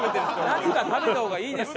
何か食べた方がいいですよ！